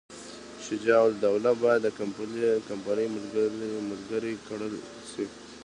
شجاع الدوله باید د کمپنۍ ملګری کړل شي.